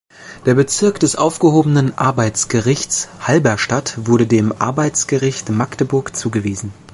Der Bezirk des aufgehobenen Arbeitsgerichts Halberstadt wurde dem Arbeitsgericht Magdeburg zugewiesen.